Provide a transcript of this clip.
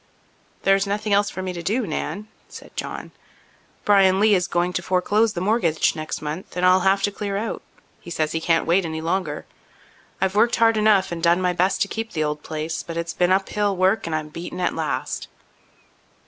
"There's nothing else for me to do, Nan," said John, "Bryan Lee is going to foreclose the mortgage next month and I'll have to clear out. He says he can't wait any longer. I've worked hard enough and done my best to keep the old place, but it's been uphill work and I'm beaten at last."